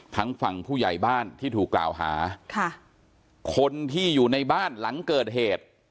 ทั้งฝั่งผู้ใหญ่บ้านที่ถูกกล่าวหาค่ะคนที่อยู่ในบ้านหลังเกิดเหตุ